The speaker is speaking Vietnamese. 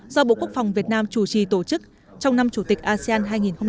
do bộ quốc phòng việt nam chủ trì tổ chức trong năm chủ tịch asean hai nghìn hai mươi